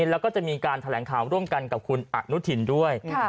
แล้วก็จะมีการแถลงข่าวร่วมกันกับคุณอนุทินด้วย